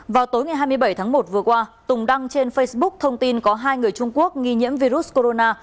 vào tối ngày hai mươi bảy tháng một vừa qua tùng đăng trên facebook thông tin có hai người trung quốc nghi nhiễm virus corona